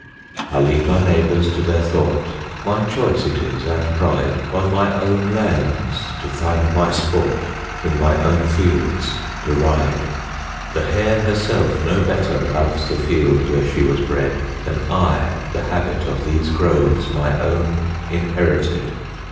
I leave my neighbours to their thought; My choice it is, and pride, On my own lands to find my sport, In my own fields to ride. The hare herself no better loves The field where she was bred, Than I the habit of these groves, My own inherited.